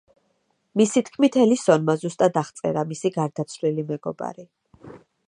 მისი თქმით ელისონმა ზუსტად აღწერა მისი გარდაცვლილი მეგობარი.